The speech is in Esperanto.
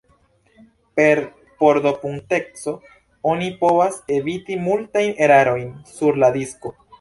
Per portopunkteco oni povas eviti multajn erarojn sur la disko.